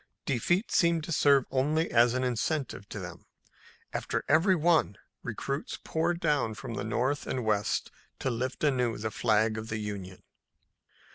Defeat seemed to serve only as an incentive to them. After every one, recruits poured down from the north and west to lift anew the flag of the Union.